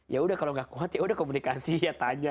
ya udah kalau gak kuat ya udah komunikasi ya tanya